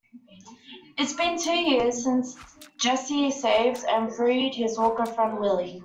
It's been two years since Jesse saved and freed his orca friend, Willy.